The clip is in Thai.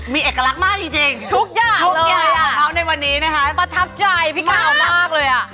มีเอกลักษณ์มากจริงทุกอย่างทุกอย่างของเขาในวันนี้นะคะประทับใจพี่กาวมากเลยอ่ะ